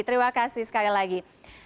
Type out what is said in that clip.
terima kasih sekali lagi